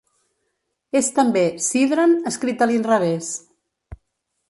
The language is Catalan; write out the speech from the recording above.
És també "Sidran" escrit a l'inrevés.